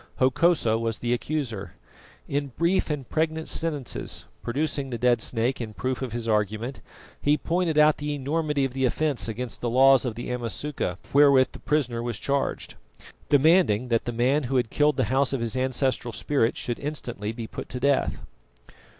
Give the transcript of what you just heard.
Hokosa was the accuser. In brief and pregnant sentences, producing the dead snake in proof of his argument, he pointed out the enormity of the offence against the laws of the Amasuka wherewith the prisoner was charged, demanding that the man who had killed the house of his ancestral spirit should instantly be put to death.